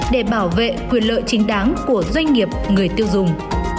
để bảo vệ quyền lợi chính đáng của doanh nghiệp người tiêu dùng